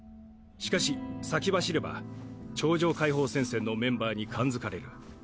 しかし先走れば超常解放戦線のメンバーに感付かれる。